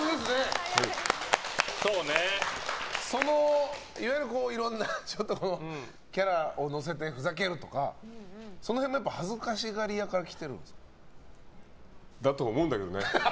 そのいろんなキャラをのせてふざけるとか、その辺も恥ずかしがり屋からだと思うんだけどね。